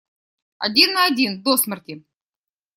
Один на один, до смерти!